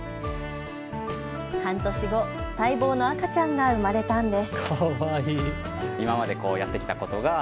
半年後、待望の赤ちゃんが生まれたんです。